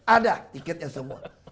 ada tiketnya semua